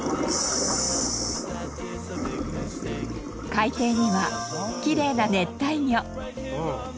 海底にはきれいな熱帯魚。